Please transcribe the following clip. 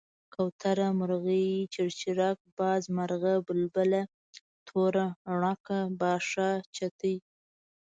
کوتره، مرغۍ، چيرچيڼک، باز، مارغه ،بلبله، توره ڼکه، باښه، چتی،